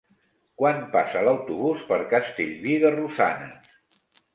Quan passa l'autobús per Castellví de Rosanes?